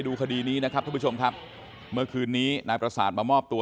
คดีนี้นะครับทุกผู้ชมครับเมื่อคืนนี้นายประสาทมามอบตัว